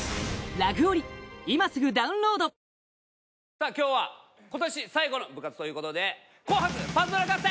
さあ今日は今年最後の部活ということで紅白パズドラ合戦！